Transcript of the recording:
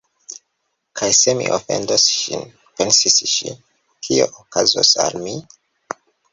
"Kaj se mi ofendos ŝin," pensis ŝi, "kio okazos al mi? »